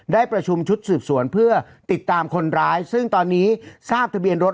ได้ประชุมชุดสืบสวนเพื่อติดตามคนร้ายซึ่งตอนนี้ทราบทะเบียนรถ